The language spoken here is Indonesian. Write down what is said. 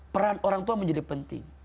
peran orang tua menjadi penting